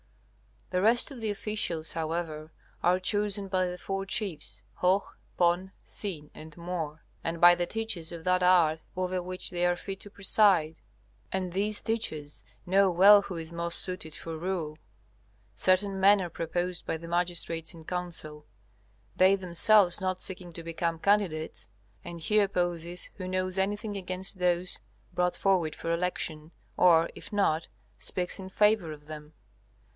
The rest of the officials, however, are chosen by the four chiefs, Hoh, Pon, Sin and Mor, and by the teachers of that art over which they are fit to preside. And these teachers know well who is most suited for rule. Certain men are proposed by the magistrates in council, they themselves not seeking to become candidates, and he opposes who knows anything against those brought forward for election, or, if not, speaks in favor of them.